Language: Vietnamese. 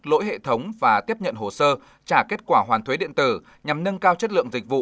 lỗi hệ thống và tiếp nhận hồ sơ trả kết quả hoàn thuế điện tử nhằm nâng cao chất lượng dịch vụ